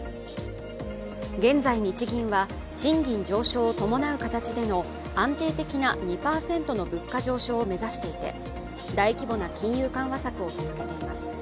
現在、日銀は賃金上昇を伴う形での安定的な２％の物価上昇を目指していて、大規模な金融緩和策を続けています。